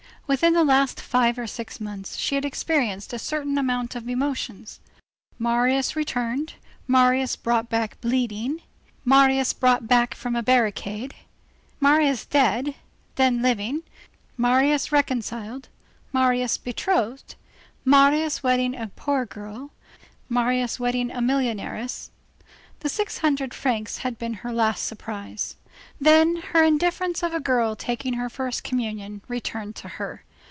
Within the last five or six months she had experienced a certain amount of emotions. Marius returned, Marius brought back bleeding, Marius brought back from a barricade, Marius dead, then living, Marius reconciled, Marius betrothed, Marius wedding a poor girl, Marius wedding a millionairess. The six hundred thousand francs had been her last surprise. Then, her indifference of a girl taking her first communion returned to her.